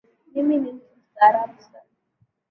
Mimi ni mtu mstaarabu sana